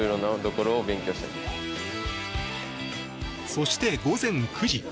そして、午前９時。